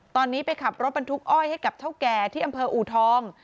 ตอนนี้ไปขับรถบรรทุกอ้อยให้กับเท่าแก่ที่อำเภออูทอง